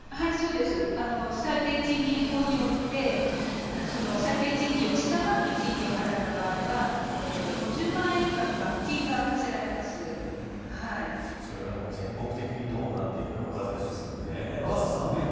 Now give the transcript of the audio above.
最低賃金法によって最低賃金を下回る賃金を払った場合は５０万円以下の罰金がそれが全国的にどうなっていくのかですよね。